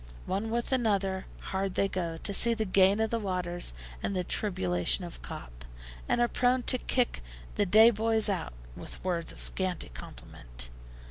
One with another, hard they go, to see the gain of the waters, and the tribulation of Cop, and are prone to kick the day boys out, with words of scanty compliment.